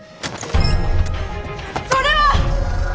それは！